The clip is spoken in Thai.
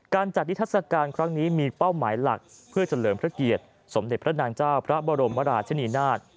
การจัดนิทัศกาลครั้งนี้มีเป้าหมายหลักเพื่อเฉลิมพระเกียรติสมเด็จพระนางเจ้าพระบรมราชนีนาฏ